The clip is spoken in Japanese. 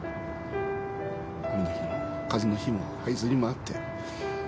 雨の日も風の日もはいずり回って。